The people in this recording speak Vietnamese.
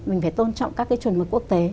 mình phải tôn trọng các cái chuẩn mực quốc tế